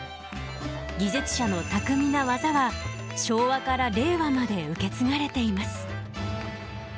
技術者の巧みな技は昭和から令和まで受け継がれています。